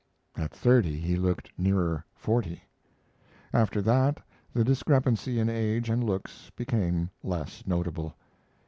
At thirty he looked nearer forty. After that the discrepancy in age and looks became less notable.